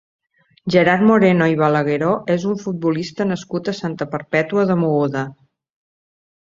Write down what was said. Gerard Moreno i Balagueró és un futbolista nascut a Santa Perpètua de Mogoda.